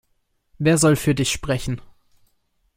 Wer soll für Dich sprechen?